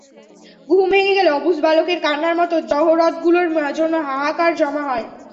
ঘুম ভেঙে গেলে অবুঝ বালকের কান্নার মতো জহরতগুলোর জন্য হাহাকার জমা হয়।